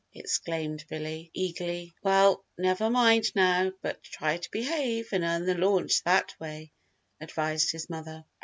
exclaimed Billy, eagerly. "Well, never mind now, but try to behave and earn the launch that way," advised his mother.